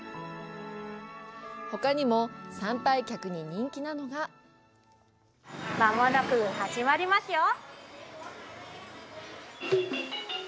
ほかにも、参拝客に人気なのが間もなく始まりますよ。